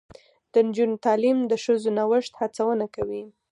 د نجونو تعلیم د ښځو نوښت هڅونه کوي.